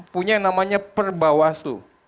punya yang namanya perbawasu